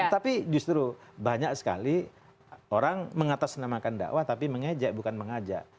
tapi justru banyak sekali orang mengatasnamakan dakwah tapi mengejek bukan mengajak